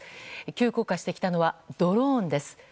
急降下してきたのはドローンです。